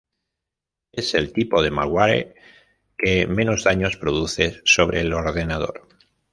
Es el tipo de malware que menos daño produce sobre el ordenador.